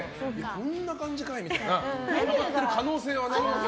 こんな感じかいみたいになってる可能性ありますよ。